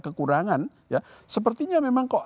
kekurangan ya sepertinya memang kok